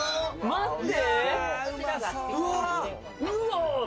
待って！